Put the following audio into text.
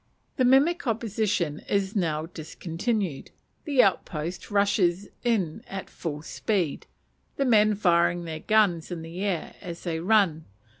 The mimic opposition is now discontinued; the outpost rushes in at full speed, the men firing their guns in the air as they run.